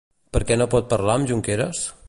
Per què no pot parlar amb Junqueras?